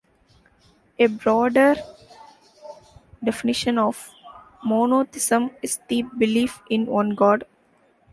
A broader definition of monotheism is the belief in one god.